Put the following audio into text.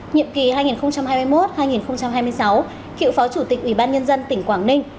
nhiệm kỳ hai nghìn hai mươi một hai nghìn hai mươi sáu cựu phó chủ tịch ủy ban nhân dân tỉnh quảng ninh